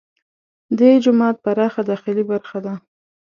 دې جومات پراخه داخلي برخه ده.